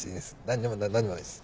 何でもないです。